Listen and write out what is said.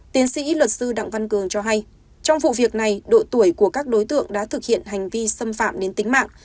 tiến sĩ luật sư đặng văn cường cho hay trong vụ việc này độ tuổi của các đối tượng đã thực hiện hành vi xâm phạm đến tính mạng